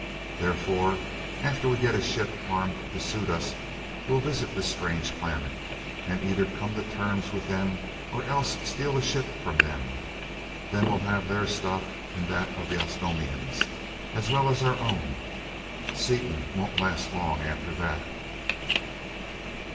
Therefore, after we get a ship armed to suit us, we'll visit this strange planet and either come to terms with them or else steal a ship from them. Then we'll have their stuff and that of the Osnomians, as well as our own. Seaton won't last long after that."